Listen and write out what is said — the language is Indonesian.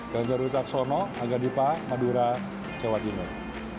ganjar ucaksono aga dipa madura jawa jenderal